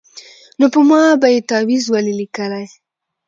نو په ما به یې تعویذ ولي لیکلای